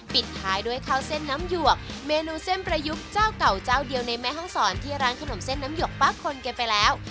ปิดท้ายด้วยข้าวเส้นน้ำหยวกเมนูเส้นประยุกต์เจ้าเก่าเจ้าเดียวในแม่ห้องศรที่ร้านขนมเส้นน้ำหยกป้าคนกันไปแล้ว